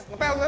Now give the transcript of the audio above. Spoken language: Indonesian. ngepel ke sana